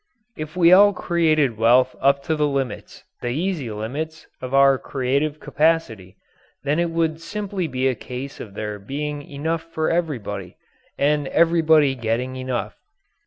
If we all created wealth up to the limits, the easy limits, of our creative capacity, then it would simply be a case of there being enough for everybody, and everybody getting enough.